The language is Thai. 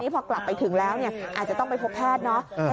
พอกลับไปถึงแล้วอาจจะต้องไปพบแพทย์เนอะ